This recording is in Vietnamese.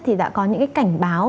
thì đã có những cái cảnh báo